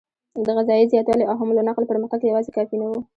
د غذایي زیاتوالي او حمل او نقل پرمختګ یواځې کافي نه و.